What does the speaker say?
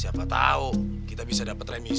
siapa tau kita bisa dapet remisi